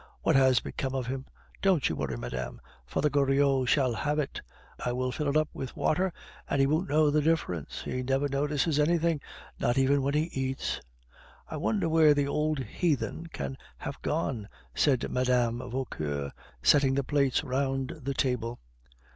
What has become of him? Don't you worry, madame; Father Goriot shall have it. I will fill it up with water, and he won't know the difference; he never notices anything, not even what he eats." "I wonder where the old heathen can have gone?" said Mme. Vauquer, setting the plates round the table.